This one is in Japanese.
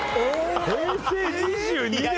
平成２２年！